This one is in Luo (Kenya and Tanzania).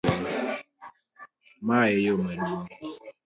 Mae e yoo maduong'?